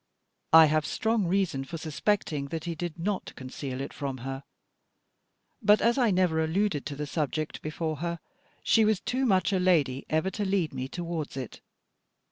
I have strong reason for suspecting that he did not conceal it from her; but as I never alluded to the subject before her, she was too much a lady ever to lead me towards it.